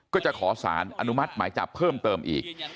ก็จะขอสารอนุมัติหมายจับเพิ่มเติมอีก